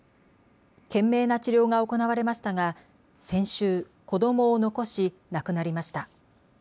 懸命な治療が行われましたが先週、子どもを残し亡くなりました。